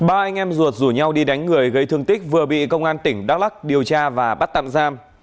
ba anh em ruột rủ nhau đi đánh người gây thương tích vừa bị công an tỉnh đắk lắc điều tra và bắt tạm giam